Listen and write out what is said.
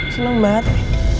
seneng banget ya